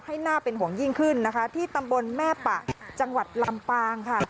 ให้น่าเป็นห่วงยิ่งขึ้นนะคะที่ตำบลแม่ปะจังหวัดลำปางค่ะ